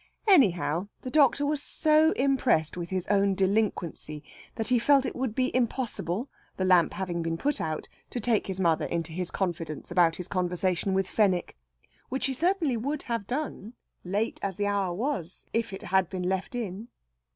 Anyhow, the doctor was so impressed with his own delinquency that he felt it would be impossible, the lamp having been put out, to take his mother into his confidence about his conversation with Fenwick. Which he certainly would have done late as the hour was if it had been left in.